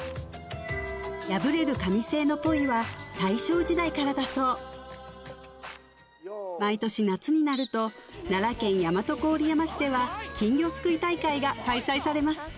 破れる紙製のポイは大正時代からだそう毎年夏になると奈良県大和郡山市では金魚すくい大会が開催されます